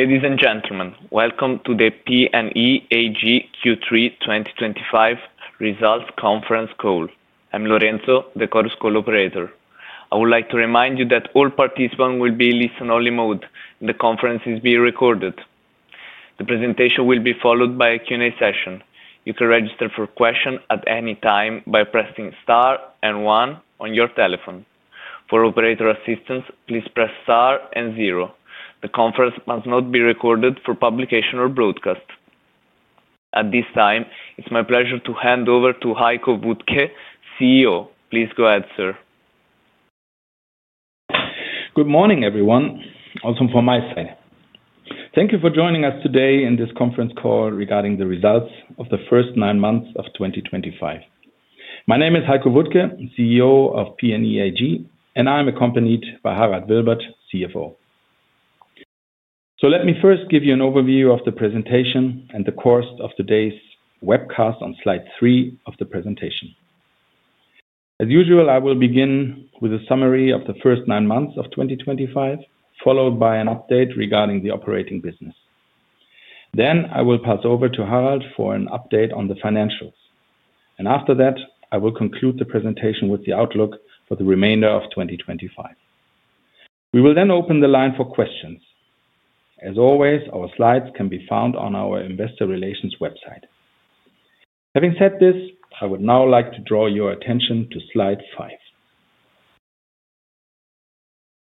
Ladies and gentlemen, welcome to the PNE AG Q3 2025 results conference call. I'm Lorenzo, the course co-operator. I would like to remind you that all participants will be in listen-only mode. The conference is being recorded. The presentation will be followed by a Q&A session. You can register for questions at any time by pressing star and one on your telephone. For operator assistance, please press star and zero. The conference must not be recorded for publication or broadcast. At this time, it's my pleasure to hand over to Heiko Wuttke, CEO. Please go ahead, sir. Good morning, everyone. Also from my side, thank you for joining us today in this conference call regarding the results of the first nine months of 2025. My name is Heiko Wuttke, CEO of PNE AG, and I'm accompanied by Harald Wilbert, CFO. Let me first give you an overview of the presentation and the course of today's webcast on slide three of the presentation. As usual, I will begin with a summary of the first nine months of 2025, followed by an update regarding the operating business. Then I will pass over to Harald for an update on the financials. After that, I will conclude the presentation with the outlook for the remainder of 2025. We will then open the line for questions. As always, our slides can be found on our Investor Relations website. Having said this, I would now like to draw your attention to slide five.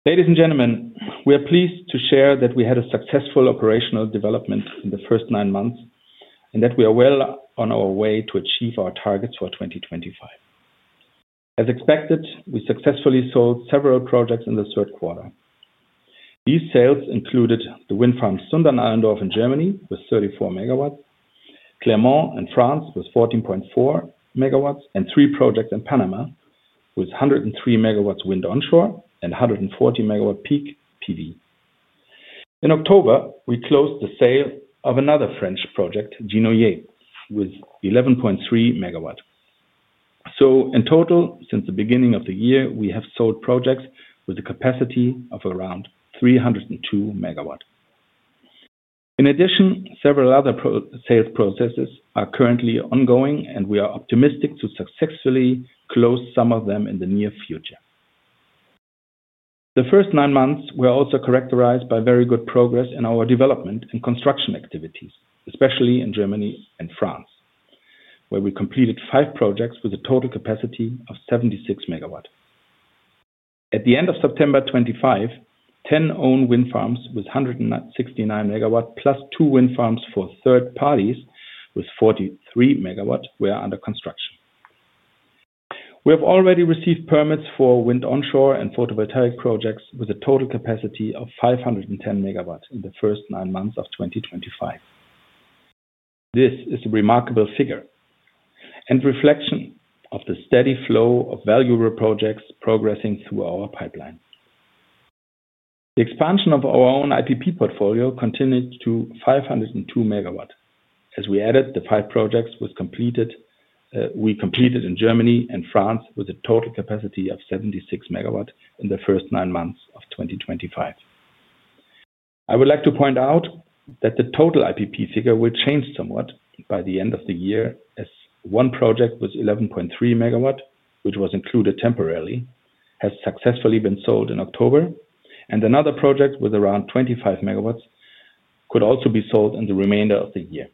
Ladies and gentlemen, we are pleased to share that we had a successful operational development in the first nine months and that we are well on our way to achieve our targets for 2025. As expected, we successfully sold several projects in the third quarter. These sales included the wind farm Sundern Allendorf in Germany with 34 MW, Clermont in France with 14.4 MW, and three projects in Panama with 103 MW wind onshore and 140 MW peak PV. In October, we closed the sale of another French project, Genoier, with 11.3 MW. In total, since the beginning of the year, we have sold projects with a capacity of around 302 MW. In addition, several other sales processes are currently ongoing, and we are optimistic to successfully close some of them in the near future. The first nine months were also characterized by very good progress in our development and construction activities, especially in Germany and France, where we completed five projects with a total capacity of 76 MW. At the end of September 2025, 10 owned wind farms with 169 MW plus two wind farms for third parties with 43 MW were under construction. We have already received permits for wind onshore and photovoltaic projects with a total capacity of 510 MW in the first nine months of 2025. This is a remarkable figure and reflection of the steady flow of valuable projects progressing through our pipeline. The expansion of our own IPP portfolio continued to 502 MW. As we added, the five projects we completed in Germany and France with a total capacity of 76 MW in the first nine months of 2025. I would like to point out that the total IPP figure will change somewhat by the end of the year, as one project with 11.3 MW, which was included temporarily, has successfully been sold in October, and another project with around 25 MW could also be sold in the remainder of the year.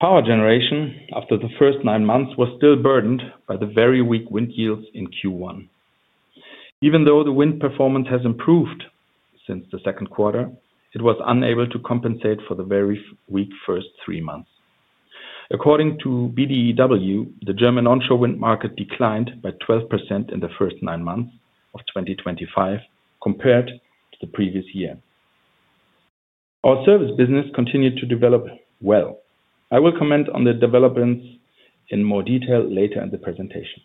Power generation after the first nine months was still burdened by the very weak wind yields in Q1. Even though the wind performance has improved since the second quarter, it was unable to compensate for the very weak first three months. According to BDEW, the German onshore wind market declined by 12% in the first nine months of 2025 compared to the previous year. Our service business continued to develop well. I will comment on the developments in more detail later in the presentation.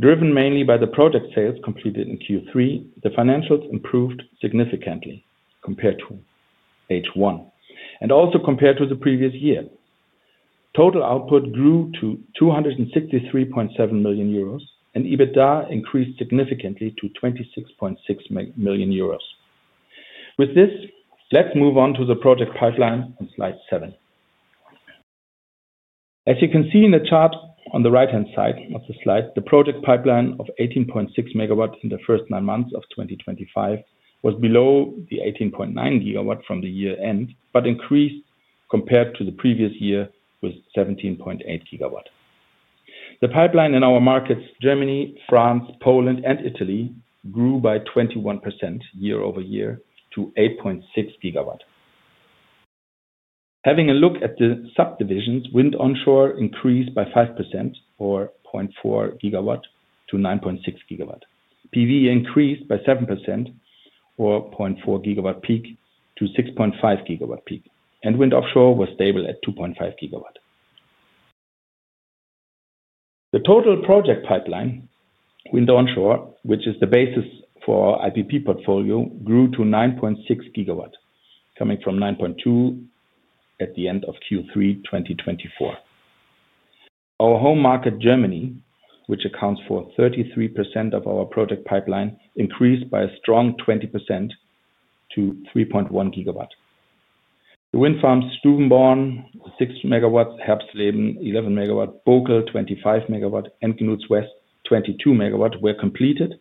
Driven mainly by the project sales completed in Q3, the financials improved significantly compared to H1 and also compared to the previous year. Total output grew to 263.7 million euros, and EBITDA increased significantly to 26.6 million euros. With this, let's move on to the project pipeline on slide seven. As you can see in the chart on the right-hand side of the slide, the project pipeline of 18.6 GW in the first nine months of 2025 was below the 18.9 GW from the year-end, but increased compared to the previous year with 17.8 GW. The pipeline in our markets, Germany, France, Poland, and Italy, grew by 21% year over year to 8.6 GW. Having a look at the subdivisions, wind onshore increased by 5% or 0.4 GW-9.6 GW. PV increased by 7% or 0.4 GW peak to 6.5 GW peak, and wind offshore was stable at 2.5 GW. The total project pipeline, wind onshore, which is the basis for our IPP portfolio, grew to 9.6 GWs, coming from 9.2 GW at the end of Q3 2024. Our home market, Germany, which accounts for 33% of our project pipeline, increased by a strong 20% to 3.1 GW. The wind farms Stubenborn 6 MW, Herbstleben 11 MW, Bokel 25 MW, and Knuts West 22 MW were completed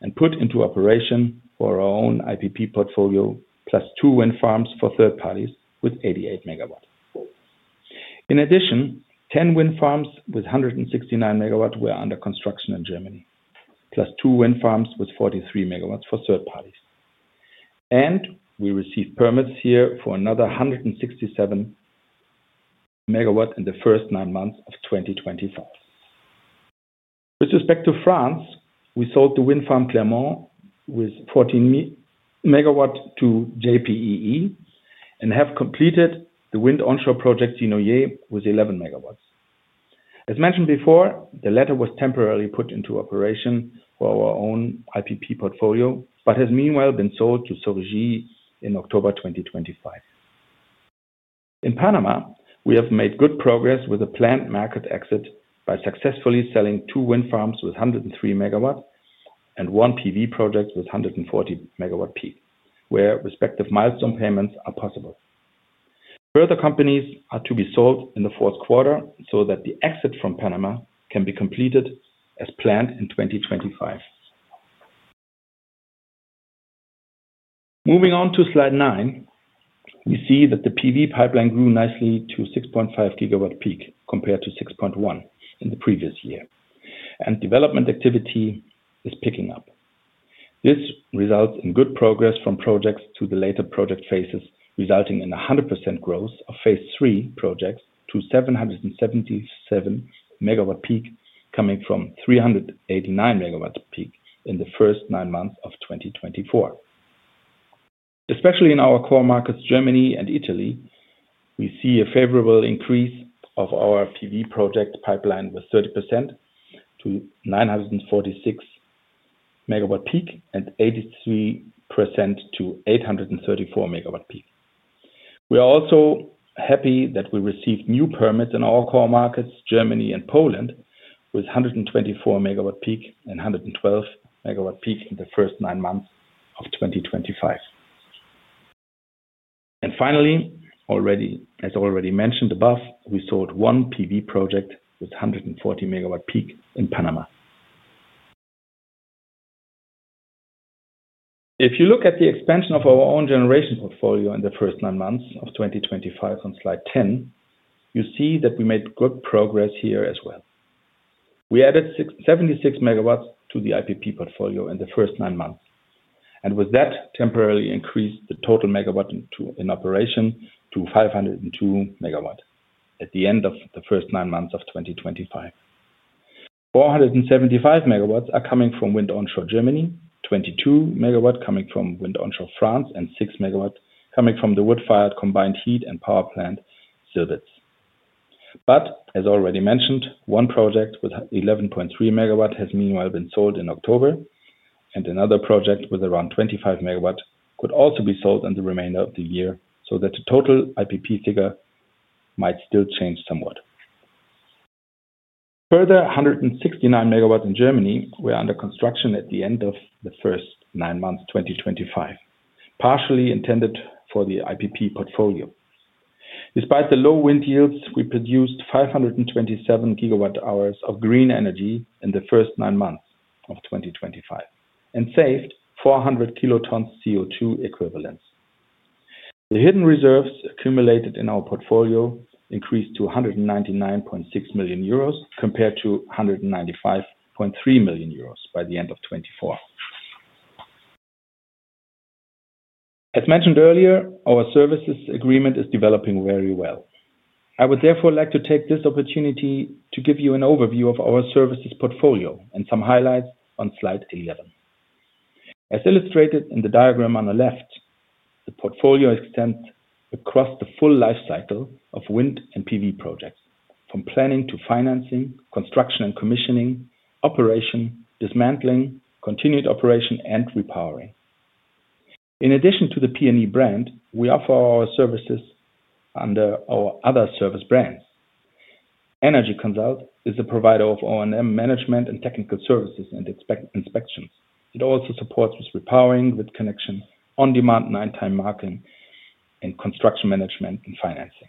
and put into operation for our own IPP portfolio, plus two wind farms for third parties with 88 MW. In addition, 10 wind farms with 169 MW were under construction in Germany, plus two wind farms with 43 MW for third parties. We received permits here for another 167 MW in the first nine months of 2024. With respect to France, we sold the wind farm Clermont with 14 MW to JPEE and have completed the wind onshore project Genoier with 11 MW. As mentioned before, the latter was temporarily put into operation for our own IPP portfolio, but has meanwhile been sold to SOREGIE in October 2025. In Panama, we have made good progress with the planned market exit by successfully selling two wind farms with 103 MW and one PV project with 140 MWp, where respective milestone payments are possible. Further companies are to be sold in the fourth quarter so that the exit from Panama can be completed as planned in 2025. Moving on to slide nine, we see that the PV pipeline grew nicely to 6.5 GW peak compared to 6.1 GW in the previous year, and development activity is picking up. This results in good progress from projects to the later project phases, resulting in 100% growth of phase three projects to 777 MW peak, coming from 389 MW peak in the first nine months of 2024. Especially in our core markets, Germany and Italy, we see a favorable increase of our PV project pipeline with 30% to 946 MW peak and 83% to 834 MW peak. We are also happy that we received new permits in our core markets, Germany and Poland, with 124 MW peak and 112 MW peak in the first nine months of 2025. Finally, as already mentioned above, we sold one PV project with 140 MW peak in Panama. If you look at the expansion of our own generation portfolio in the first nine months of 2025 on slide 10, you see that we made good progress here as well. We added 76 MW to the IPP portfolio in the first nine months and with that temporarily increased the total megawatt in operation to 502 MW at the end of the first nine months of 2025. 475 MW are coming from wind onshore Germany, 22 MW coming from wind onshore France, and 6 MW coming from the woodfired combined heat and power plant Zillbitz. As already mentioned, one project with 11.3 MW has meanwhile been sold in October, and another project with around 25 MW could also be sold in the remainder of the year so that the total IPP figure might still change somewhat. Further, 169 MW in Germany were under construction at the end of the first nine months 2025, partially intended for the IPP portfolio. Despite the low wind yields, we produced 527 GW hours of green energy in the first nine months of 2025 and saved 400 kilotons CO2 equivalents. The hidden reserves accumulated in our portfolio increased to 199.6 million euros compared to 195.3 million euros by the end of 2024. As mentioned earlier, our services agreement is developing very well. I would therefore like to take this opportunity to give you an overview of our services portfolio and some highlights on slide 11. As illustrated in the diagram on the left, the portfolio extends across the full lifecycle of wind and PV projects, from planning to financing, construction and commissioning, operation, dismantling, continued operation, and repowering. In addition to the PNE brand, we offer our services under our other service brands. Energy Consult is a provider of O&M management and technical services and inspections. It also supports with repowering, with connection, on-demand nighttime marking, and construction management and financing.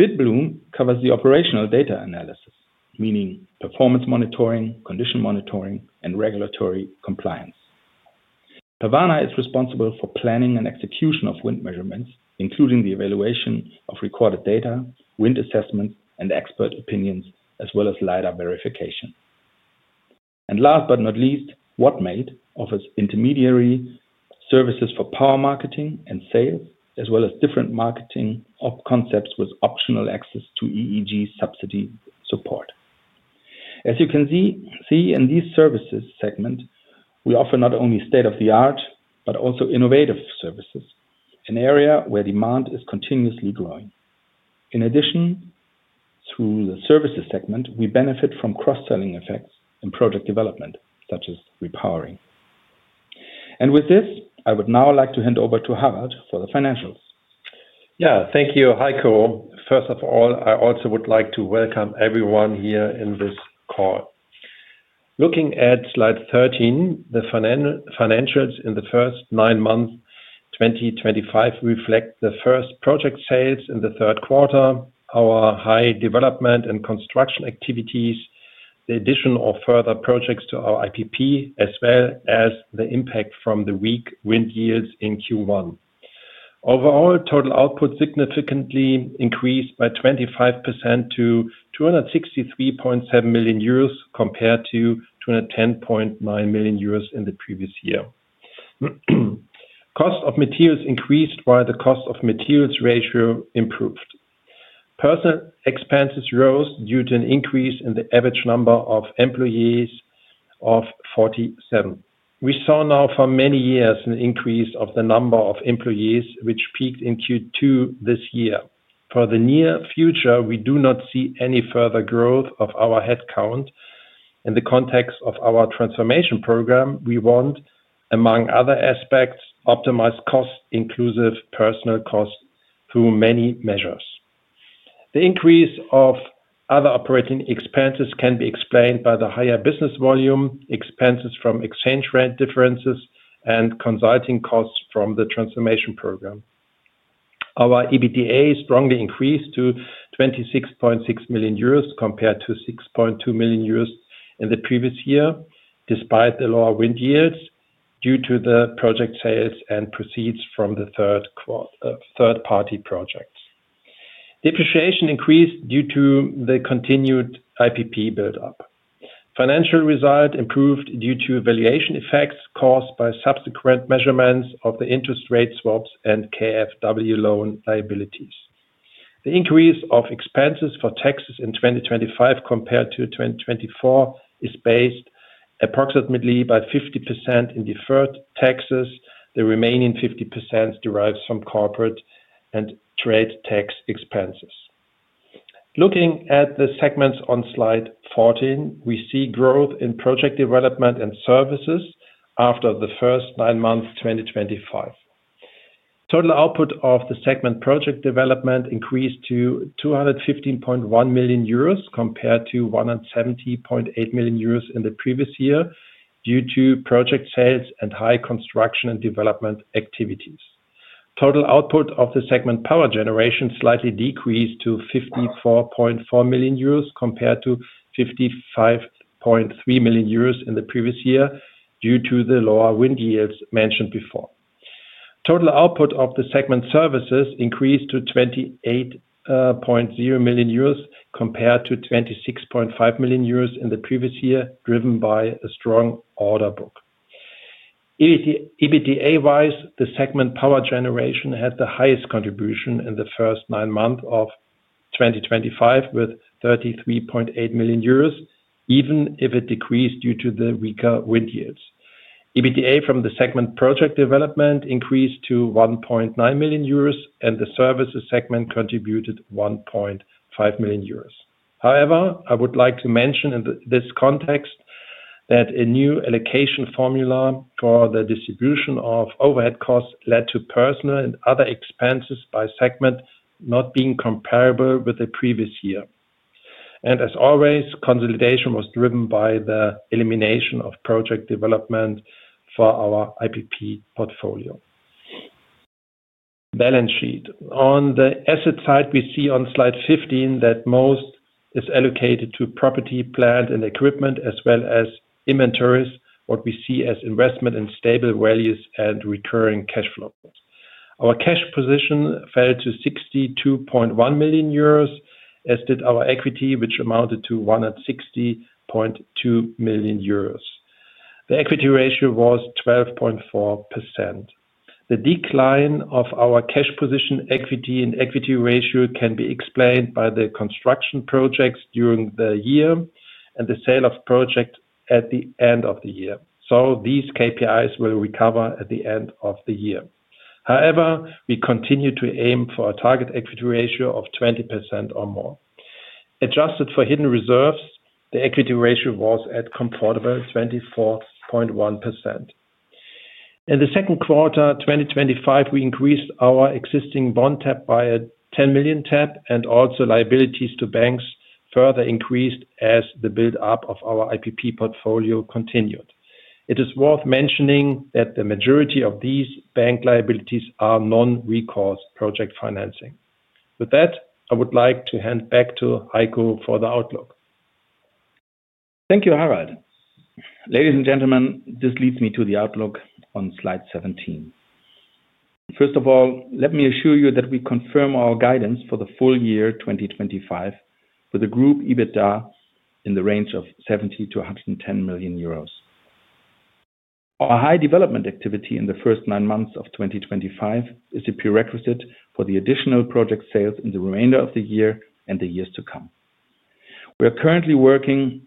BitBloom covers the operational data analysis, meaning performance monitoring, condition monitoring, and regulatory compliance. Pavana is responsible for planning and execution of wind measurements, including the evaluation of recorded data, wind assessments, and expert opinions, as well as LIDAR verification. Last but not least, Wuttmate offers intermediary services for power marketing and sales, as well as different marketing concepts with optional access to EEG subsidy support. As you can see in these services segments, we offer not only state-of-the-art but also innovative services, an area where demand is continuously growing. In addition, through the services segment, we benefit from cross-selling effects in project development, such as repowering. With this, I would now like to hand over to Harald for the financials. Yeah, thank you, Heiko. First of all, I also would like to welcome everyone here in this call. Looking at slide 13, the financials in the first nine months 2025 reflect the first project sales in the third quarter, our high development and construction activities, the addition of further projects to our IPP, as well as the impact from the weak wind yields in Q1. Overall, total output significantly increased by 25% to 263.7 million euros compared to 210.9 million euros in the previous year. Cost of materials increased while the cost of materials ratio improved. Personnel expenses rose due to an increase in the average number of employees of 47. We saw now for many years an increase of the number of employees, which peaked in Q2 this year. For the near future, we do not see any further growth of our headcount. In the context of our transformation program, we want, among other aspects, optimized cost-inclusive personnel cost through many measures. The increase of other operating expenses can be explained by the higher business volume, expenses from exchange rate differences, and consulting costs from the transformation program. Our EBITDA strongly increased to 26.6 million euros compared to 6.2 million euros in the previous year, despite the lower wind yields due to the project sales and proceeds from the third-party projects. Depreciation increased due to the continued IPP build-up. Financial result improved due to valuation effects caused by subsequent measurements of the interest rate swaps and KfW loan liabilities. The increase of expenses for taxes in 2025 compared to 2024 is based approximately by 50% in deferred taxes. The remaining 50% derives from corporate and trade tax expenses. Looking at the segments on slide 14, we see growth in project development and services after the first nine months 2025. Total output of the segment project development increased to 215.1 million euros compared to 170.8 million euros in the previous year due to project sales and high construction and development activities. Total output of the segment power generation slightly decreased to 54.4 million euros compared to 55.3 million euros in the previous year due to the lower wind yields mentioned before. Total output of the segment services increased to 28.0 million euros compared to 26.5 million euros in the previous year, driven by a strong order book. EBITDA-wise, the segment power generation had the highest contribution in the first nine months of 2025 with 33.8 million euros, even if it decreased due to the weaker wind yields. EBITDA from the segment project development increased to 1.9 million euros, and the services segment contributed 1.5 million euros. However, I would like to mention in this context that a new allocation formula for the distribution of overhead costs led to personal and other expenses by segment not being comparable with the previous year. As always, consolidation was driven by the elimination of project development for our IPP portfolio. Balance sheet. On the asset side, we see on slide 15 that most is allocated to property, plant, and equipment, as well as inventories, what we see as investment in stable values and recurring cash flows. Our cash position fell to 62.1 million euros, as did our equity, which amounted to 160.2 million euros. The equity ratio was 12.4%. The decline of our cash position, equity, and equity ratio can be explained by the construction projects during the year and the sale of projects at the end of the year. These KPIs will recover at the end of the year. However, we continue to aim for a target equity ratio of 20% or more. Adjusted for hidden reserves, the equity ratio was at a comfortable 24.1%. In the second quarter 2025, we increased our existing bond tap by a 10 million tap, and also liabilities to banks further increased as the build-up of our IPP portfolio continued. It is worth mentioning that the majority of these bank liabilities are non-recourse project financing. With that, I would like to hand back to Heiko for the outlook. Thank you, Harald. Ladies and gentlemen, this leads me to the outlook on slide 17. First of all, let me assure you that we confirm our guidance for the full year 2025 with a group EBITDA in the range of 70 million-110 million euros. Our high development activity in the first nine months of 2025 is a prerequisite for the additional project sales in the remainder of the year and the years to come. We are currently working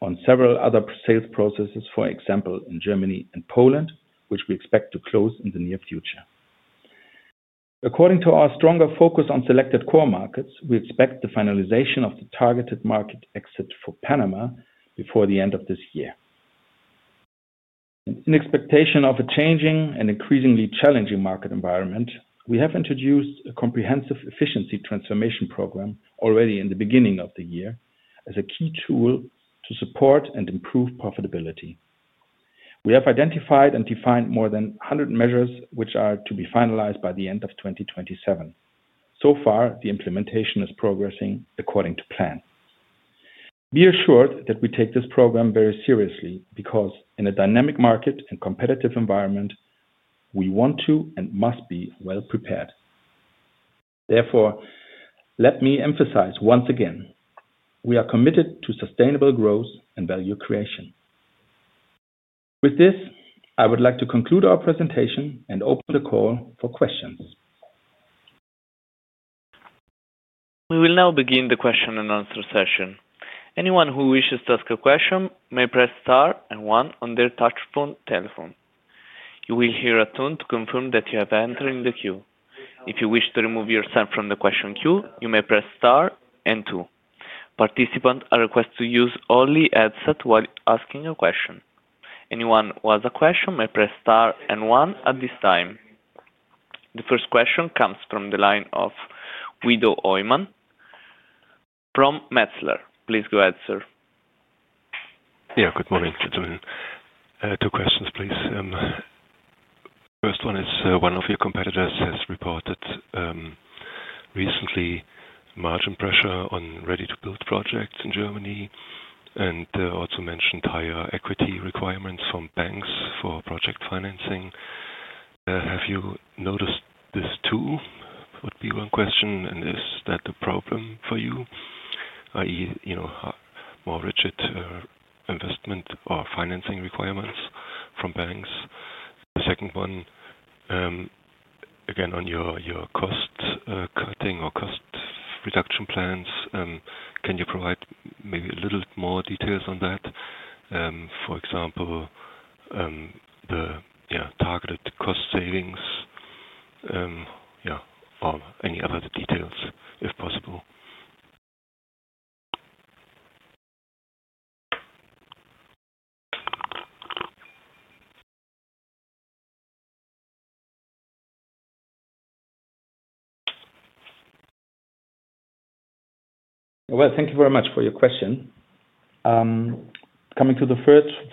on several other sales processes, for example, in Germany and Poland, which we expect to close in the near future. According to our stronger focus on selected core markets, we expect the finalization of the targeted market exit for Panama before the end of this year. In expectation of a changing and increasingly challenging market environment, we have introduced a comprehensive efficiency transformation program already in the beginning of the year as a key tool to support and improve profitability. We have identified and defined more than 100 measures which are to be finalized by the end of 2027. So far, the implementation is progressing according to plan. Be assured that we take this program very seriously because in a dynamic market and competitive environment, we want to and must be well prepared. Therefore, let me emphasize once again, we are committed to sustainable growth and value creation. With this, I would like to conclude our presentation and open the call for questions. We will now begin the question-and-answer session. Anyone who wishes to ask a question may press star and one on their touch tone telephone. You will hear a tone to confirm that you have entered in the queue. If you wish to remove yourself from the question queue, you may press star and two. Participants are requested to use only headset while asking a question. Anyone who has a question may press star and one at this time. The first question comes from the line of Wido Oiman from Metzler. Please go ahead, sir. Yeah, good morning, Jörg Klowat. Two questions, please. First one is one of your competitors has reported recently margin pressure on ready-to-build projects in Germany and also mentioned higher equity requirements from banks for project financing. Have you noticed this too? Would be one question. And is that a problem for you, i.e., more rigid investment or financing requirements from banks? The second one, again, on your cost-cutting or cost-reduction plans, can you provide maybe a little more details on that? For example, the targeted cost savings or any other details if possible. Thank you very much for your question. Coming to the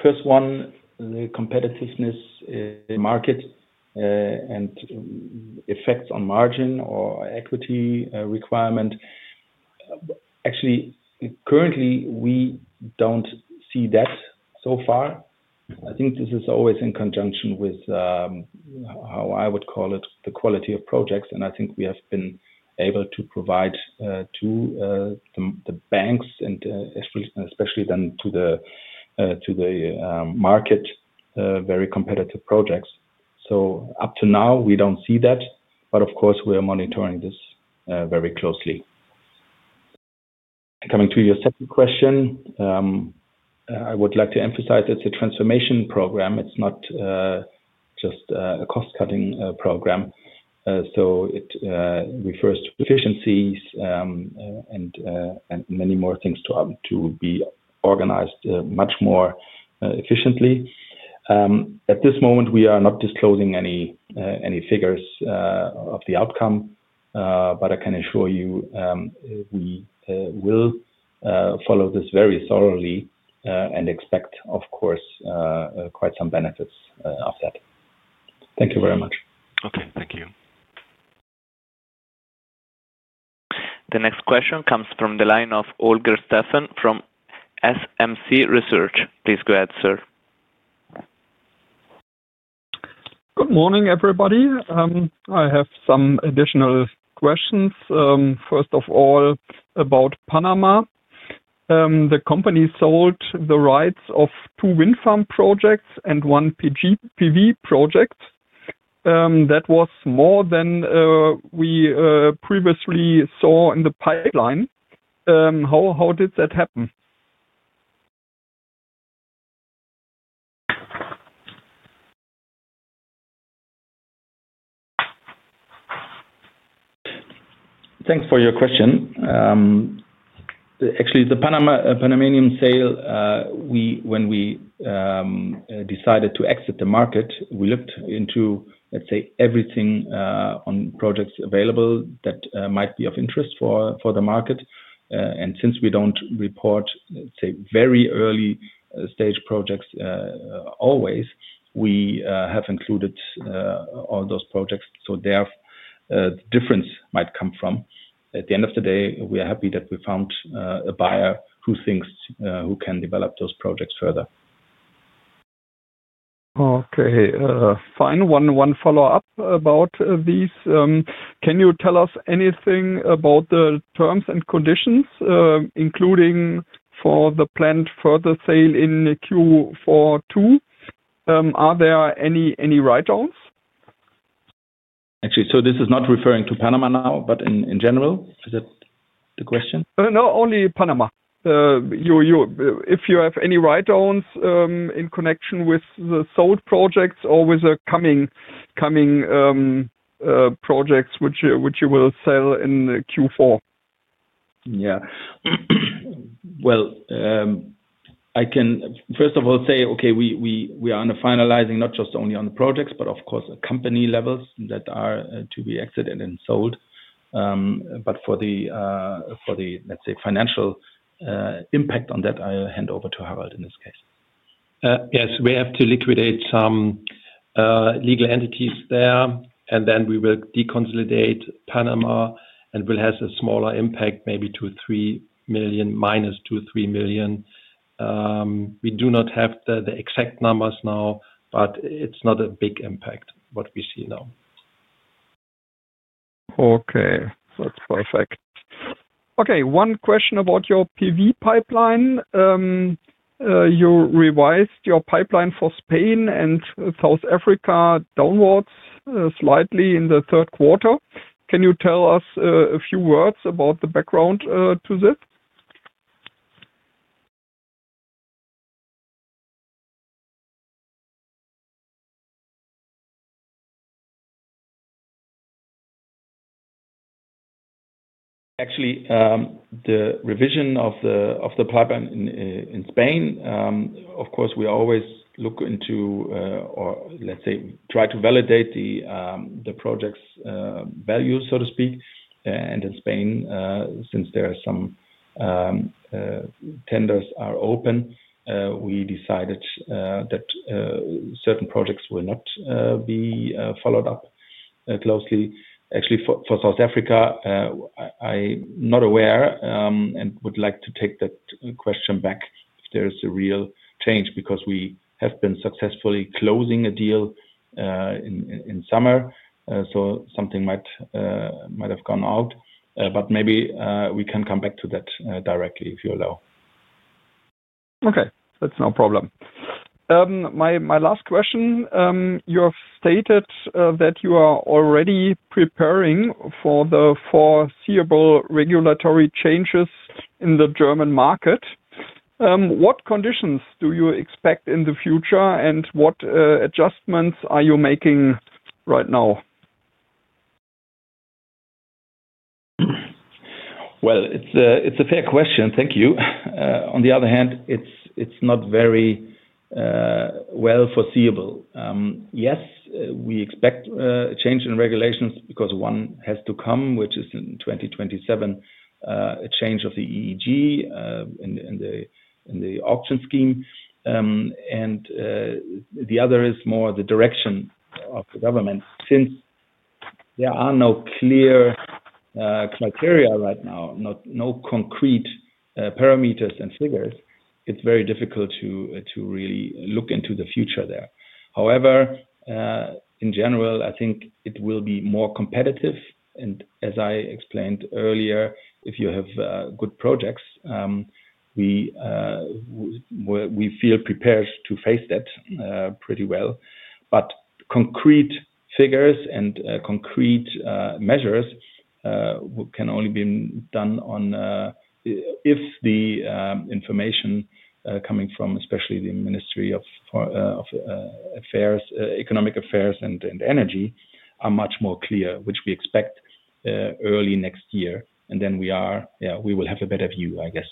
first one, the competitiveness market and effects on margin or equity requirement. Actually, currently, we do not see that so far. I think this is always in conjunction with how I would call it, the quality of projects. I think we have been able to provide to the banks and especially then to the market very competitive projects. Up to now, we do not see that. Of course, we are monitoring this very closely. Coming to your second question, I would like to emphasize it is a transformation program. It is not just a cost-cutting program. It refers to efficiencies and many more things to be organized much more efficiently. At this moment, we are not disclosing any figures of the outcome, but I can assure you we will follow this very thoroughly and expect, of course, quite some benefits of that. Thank you very much. Okay, thank you. The next question comes from the line of Holger Steffen from SMC Research. Please go ahead, sir. Good morning, everybody. I have some additional questions. First of all, about Panama. The company sold the rights of two wind farm projects and one PV project. That was more than we previously saw in the pipeline. How did that happen? Thanks for your question. Actually, the Panamanian sale, when we decided to exit the market, we looked into, let's say, everything on projects available that might be of interest for the market. And since we don't report, let's say, very early-stage projects always, we have included all those projects. Therefore, the difference might come from that. At the end of the day, we are happy that we found a buyer who thinks who can develop those projects further. Okay. Final one, one follow-up about these. Can you tell us anything about the terms and conditions, including for the planned further sale in Q4? Are there any write-ons? Actually, this is not referring to Panama now, but in general, is that the question? No, only Panama. If you have any write-ons in connection with the sold projects or with the coming projects which you will sell in Q4. Yeah. I can, first of all, say, okay, we are on the finalizing not just only on the projects, but of course, company levels that are to be exited and sold. For the, let's say, financial impact on that, I'll hand over to Harald in this case. Yes, we have to liquidate some legal entities there, and then we will deconsolidate Panama and will have a smaller impact, maybe 2 million, -3 million, minus -2, -3 million. We do not have the exact numbers now, but it's not a big impact what we see now. Okay. That's perfect. Okay. One question about your PV pipeline. You revised your pipeline for Spain and South Africa downwards slightly in the third quarter. Can you tell us a few words about the background to this? Actually, the revision of the pipeline in Spain, of course, we always look into or, let's say, try to validate the project's value, so to speak. In Spain, since there are some tenders open, we decided that certain projects will not be followed up closely. Actually, for South Africa, I'm not aware and would like to take that question back if there is a real change because we have been successfully closing a deal in summer. Something might have gone out. Maybe we can come back to that directly if you allow. Okay. That's no problem. My last question, you have stated that you are already preparing for the foreseeable regulatory changes in the German market. What conditions do you expect in the future, and what adjustments are you making right now? It is a fair question. Thank you. On the other hand, it is not very well foreseeable. Yes, we expect a change in regulations because one has to come, which is in 2027, a change of the EEG in the auction scheme. The other is more the direction of the government. Since there are no clear criteria right now, no concrete parameters and figures, it is very difficult to really look into the future there. However, in general, I think it will be more competitive. As I explained earlier, if you have good projects, we feel prepared to face that pretty well. Concrete figures and concrete measures can only be done if the information coming from especially the Ministry of Economic Affairs and Energy are much more clear, which we expect early next year. We will have a better view, I guess.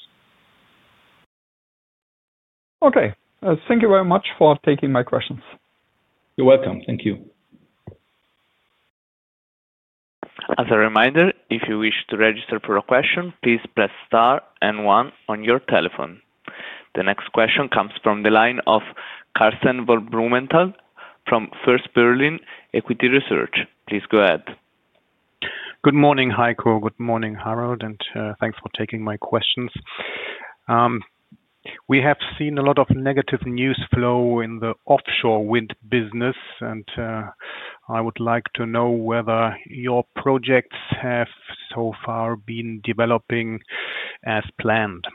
Okay. Thank you very much for taking my questions. You're welcome. Thank you. As a reminder, if you wish to register for a question, please press star and one on your telephone. The next question comes from the line of Karsten von Blumenthal from First Berlin Equity Research. Please go ahead. Good morning, Heiko. Good morning, Harald. And thanks for taking my questions. We have seen a lot of negative news flow in the offshore wind business, and I would like to know whether your projects have so far been developing as planned.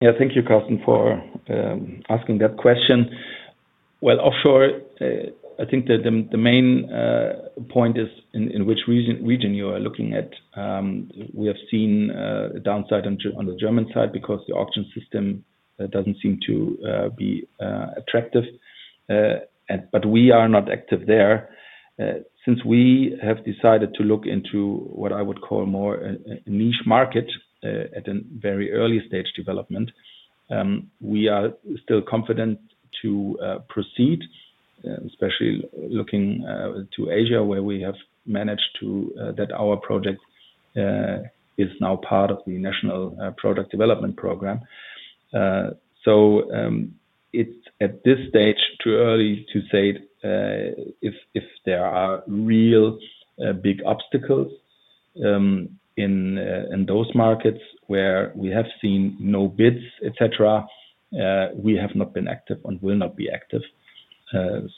Yeah, thank you, Karsten, for asking that question. Offshore, I think the main point is in which region you are looking at. We have seen a downside on the German side because the auction system does not seem to be attractive. We are not active there. Since we have decided to look into what I would call more a niche market at a very early stage development, we are still confident to proceed, especially looking to Asia where we have managed to that our project is now part of the national product development program. It is at this stage too early to say if there are real big obstacles in those markets where we have seen no bids, etc., we have not been active and will not be active.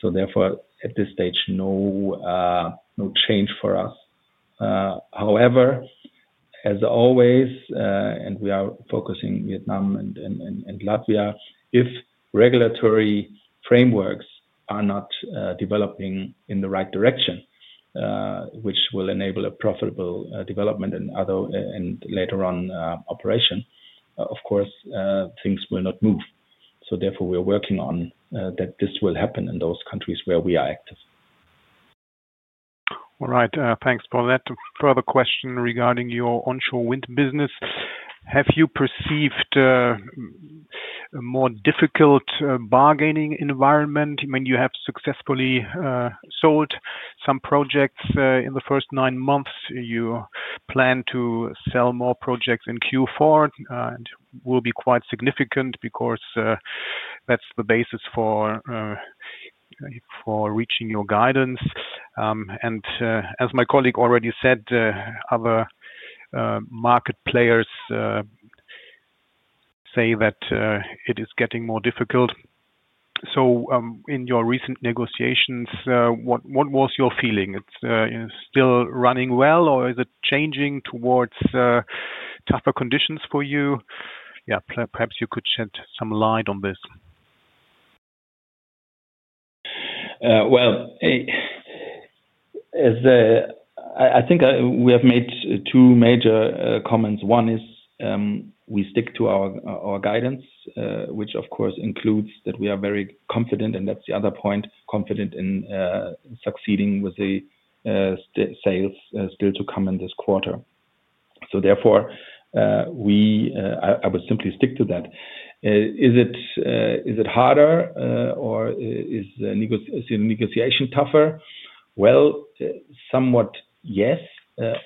Therefore, at this stage, no change for us. However, as always, and we are focusing Vietnam and Latvia, if regulatory frameworks are not developing in the right direction, which will enable a profitable development and later on operation, of course, things will not move. Therefore, we are working on that this will happen in those countries where we are active. All right. Thanks for that. Further question regarding your onshore wind business. Have you perceived a more difficult bargaining environment? I mean, you have successfully sold some projects in the first nine months. You plan to sell more projects in Q4 and will be quite significant because that's the basis for reaching your guidance. As my colleague already said, other market players say that it is getting more difficult. In your recent negotiations, what was your feeling? It's still running well, or is it changing towards tougher conditions for you? Yeah, perhaps you could shed some light on this. I think we have made two major comments. One is we stick to our guidance, which of course includes that we are very confident, and that's the other point, confident in succeeding with the sales still to come in this quarter. Therefore, I will simply stick to that. Is it harder, or is the negotiation tougher? Somewhat yes.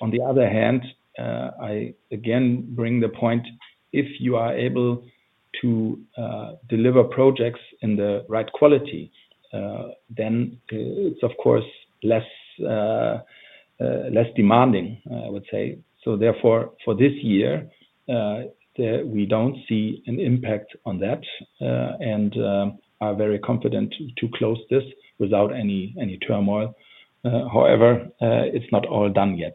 On the other hand, I again bring the point, if you are able to deliver projects in the right quality, then it's of course less demanding, I would say. Therefore, for this year, we do not see an impact on that and are very confident to close this without any turmoil. However, it's not all done yet.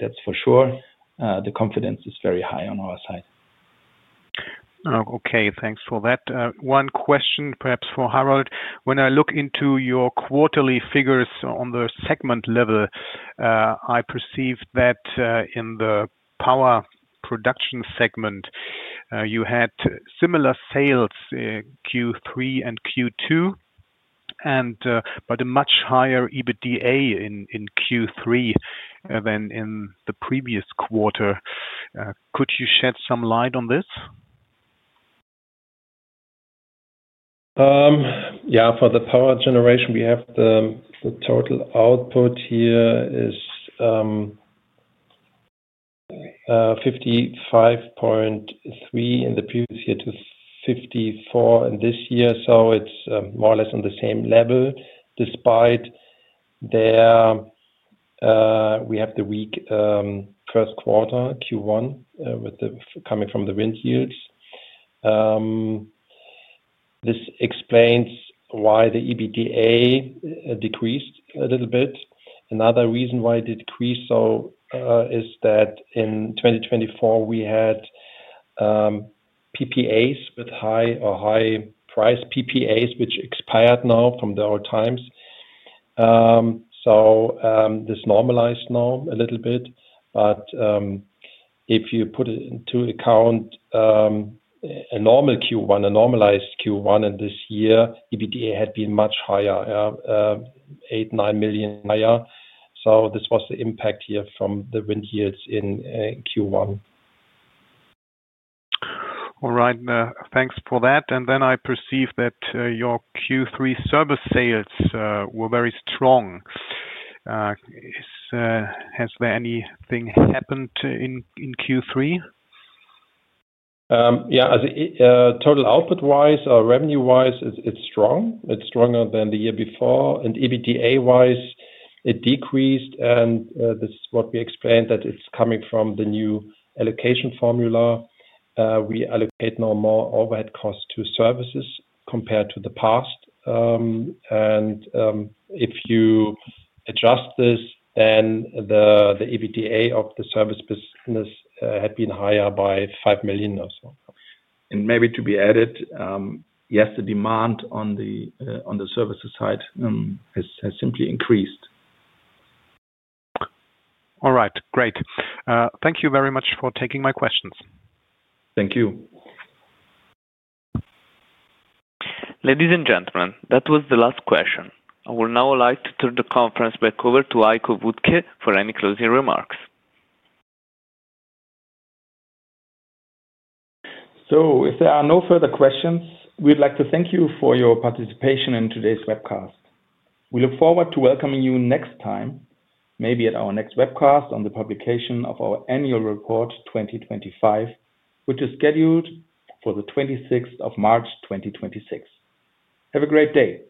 That's for sure. The confidence is very high on our side. Okay. Thanks for that. One question perhaps for Harald. When I look into your quarterly figures on the segment level, I perceive that in the power production segment, you had similar sales Q3 and Q2, but a much higher EBITDA in Q3 than in the previous quarter. Could you shed some light on this? Yeah. For the power generation, we have the total output here is 55.3 in the previous year to 54 in this year. So it's more or less on the same level despite we have the weak first quarter, Q1, coming from the wind yields. This explains why the EBITDA decreased a little bit. Another reason why it decreased is that in 2024, we had PPAs with high or high-price PPAs, which expired now from the old times. So this normalized now a little bit. If you put into account a normal Q1, a normalized Q1 in this year, EBITDA had been much higher, 8 million, 9 million. Higher. This was the impact here from the wind yields in Q1. All right. Thanks for that. I perceive that your Q3 service sales were very strong. Has there anything happened in Q3? Yeah. Total output-wise or revenue-wise, it is strong. It is stronger than the year before. EBITDA-wise, it decreased. This is what we explained, that it is coming from the new allocation formula. We allocate no more overhead costs to services compared to the past. If you adjust this, then the EBITDA of the service business had been higher by 5 million or so. Maybe to be added, yes, the demand on the services side has simply increased. All right. Great. Thank you very much for taking my questions. Thank you. Ladies and gentlemen, that was the last question. I would now like to turn the conference back over to Heiko Wuttke for any closing remarks. If there are no further questions, we'd like to thank you for your participation in today's webcast. We look forward to welcoming you next time, maybe at our next webcast on the publication of our annual report 2025, which is scheduled for the 26th of March, 2026. Have a great day.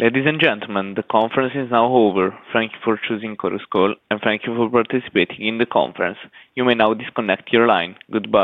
Ladies and gentlemen, the conference is now over. Thank you for choosing Coruscal, and thank you for participating in the conference. You may now disconnect your line. Goodbye.